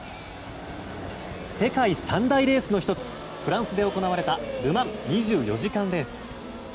世界三大レースの１つフランスで行われたル・マン２４時間レース。